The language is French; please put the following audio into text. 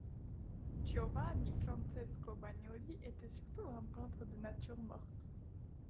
Giovanni Francesco Bagnoli était surtout un peintre de natures mortes.